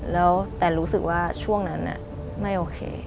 แล้วแต่รู้สึกว่าช่วงนั้นไม่โอเค